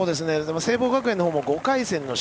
聖望学園のほうも５回戦の